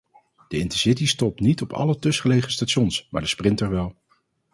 De intercity stopt niet op alle tussengelegen stations, maar de sprinter wel.